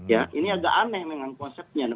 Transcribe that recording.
ya ini agak aneh memang konsepnya